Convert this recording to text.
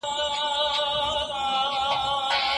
خوله په غاښو ښه ښکاري.